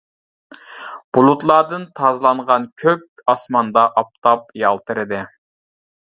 بۇلۇتلاردىن تازىلانغان كۆك ئاسماندا ئاپتاپ يالتىرىدى.